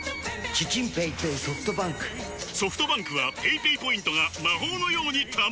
ソフトバンクはペイペイポイントが魔法のように貯まる！